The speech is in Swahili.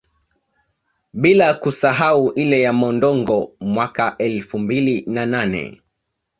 Bila kusahau ile ya Mondongo mwaka wa elfu mbili na nne